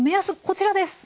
こちらです。